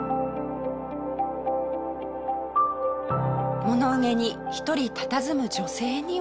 物憂げに１人たたずむ女性には。